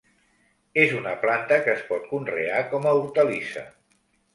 És una planta que es pot conrear com a hortalissa.